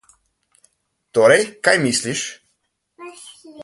Torej, kaj misliš?